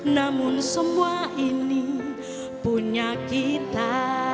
namun semua ini punya kita